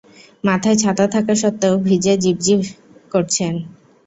মাথায় ছাতা থাকা সত্ত্বেও ভিজে জীবজব করছেন।